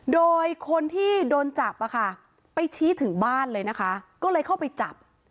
โดยคนที่โดนจับอะค่ะไปชี้ถึงบ้านเลยนะคะก็เลยเข้าไปจับ